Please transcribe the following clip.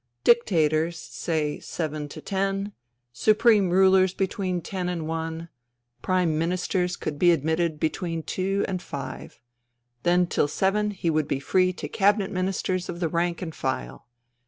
Dictators, say, from 7 to 10 ; supreme rulers between 10 and 1 ; prime ministers could be admitted between 2 and 5. Then till seven he would be free to cabinet ministers of the rank and file.